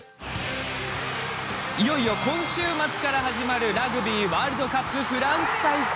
いよいよ今週末から始まるラグビーワールドカップフランス大会。